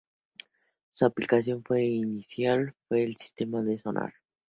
Su aplicación inicial fue en sistemas de sonar.